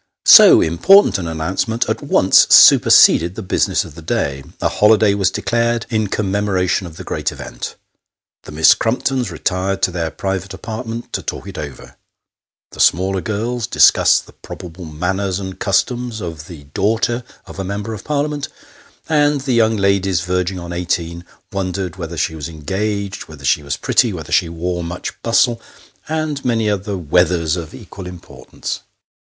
So important an announcement, at once superseded the business of the day. A holiday was declared, in commemoration of the great event ; the Miss Crumptons retired to their private apartment to talk it over ; the smaller girls discussed the probable manners and customs of the daughter of a Member of Parliament ; and the young ladies verging on eighteen wondered whether she was engaged, whether she was pretty, whether she wore much bustle, and many other whether* of equal importance.